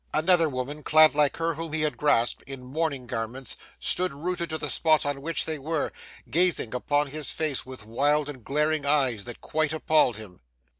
Another woman, clad, like her whom he had grasped, in mourning garments, stood rooted to the spot on which they were, gazing upon his face with wild and glaring eyes that quite appalled him.